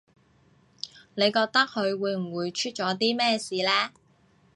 你覺得佢會唔會出咗啲咩事呢